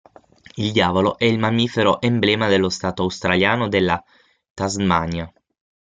Il diavolo è il mammifero emblema dello Stato australiano della Tasmania.